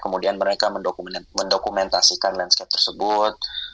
kemudian mereka mendokumentasikan landscape tersebut